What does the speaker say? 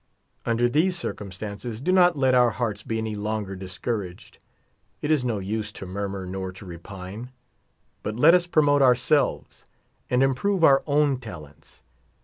Under these circumstances, do not let our hearts be any longer discouraged ; it is no use to murmur nor to repine, but let us promote ourselves and improve our own talents.